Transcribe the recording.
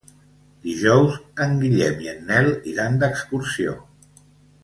Dijous en Guillem i en Nel iran d'excursió.